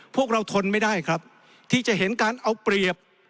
พวกเราทนไม่ได้ครับที่จะเห็นการเอาเปรียบ